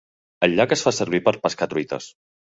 El llac es fa servir per pescar truites.